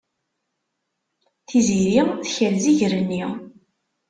Tiziri tekrez iger-nni.